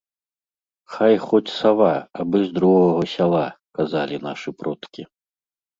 Хай хоць сава, абы з другога сяла, казалі нашы продкі.